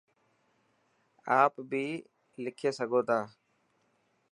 آپ بي لکي سڳو تا.